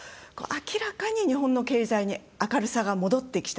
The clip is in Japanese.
明らかに日本の経済に明るさが戻ってきたんですね。